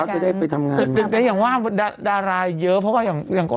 จะได้ไปทำงานแต่อย่างว่าดาราเยอะเพราะว่าอย่างอย่างก่อน